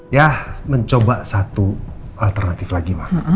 ya mencoba satu alternatif lagi